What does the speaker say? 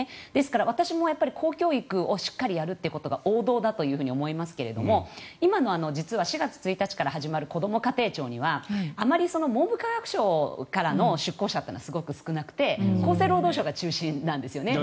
私も公教育をしっかりやるということが王道だと思いますが今の実は４月１日から始まるこども家庭庁にはあまり文部科学省からの出向者というのはすごく少なくて厚生労働省が中心なんですよね。